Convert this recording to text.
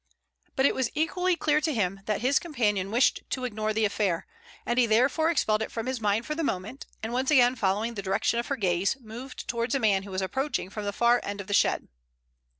But it was equally clear to him that his companion wished to ignore the affair, and he therefore expelled it from his mind for the moment, and once again following the direction of her gaze, moved towards a man who was approaching from the far end of the shed.